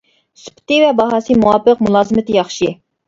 سۈپىتى ۋە باھاسى مۇۋاپىق، مۇلازىمىتى ياخشى.